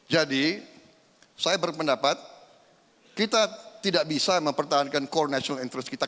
jadi saya berpendapat kita tidak bisa mempertahankan core national interest kita